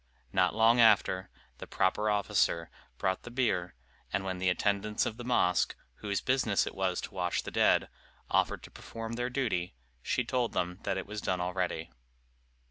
Not long after, the proper officer brought the bier, and when the attendants of the mosque, whose business it was to wash the dead, offered to perform their duty, she told them that it was done already.